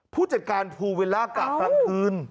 ผู้จัดการภูเวลากะกลางคืน